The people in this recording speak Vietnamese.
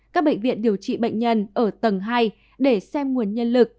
các bệnh viện điều trị bệnh nhân ở tầng hai để xem nguồn nhân lực